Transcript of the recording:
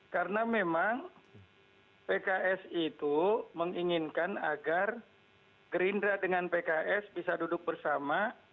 karena memang pks itu menginginkan agar gerindra dengan pks bisa duduk bersama